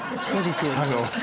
そうですよね。